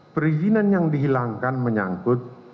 perizinan yang dihilangkan menyangkut